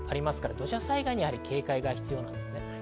土砂災害に警戒が必要です。